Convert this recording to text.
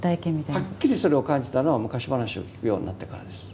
はっきりそれを感じたのは昔話を聞くようになってからです。